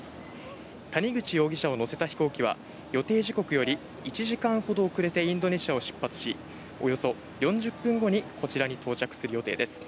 谷口容疑者を乗せた飛行機は、予定時刻より１時間ほど遅れてインドネシアを出発し、およそ４０分後にこちらに到着する予定です。